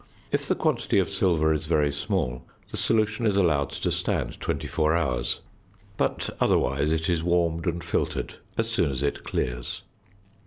If the quantity of silver is very small the solution is allowed to stand twenty four hours, but, otherwise, it is warmed and filtered as soon as it clears.